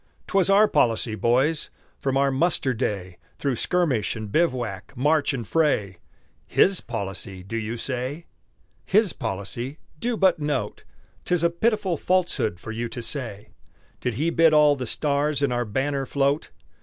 'Twas our policy, boys, from our muster day, Through skirmish and bivouac, march and fray "His policy," do you say? "His policy" do but note! 'Tis a pitiful falsehood for you to say. Did he bid all the stars in our banner float?